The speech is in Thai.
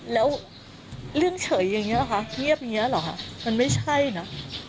แล้วเรื่องเฉยอย่างนี้หรอคะเงียบอย่างนี้เหรอคะมันไม่ใช่นะ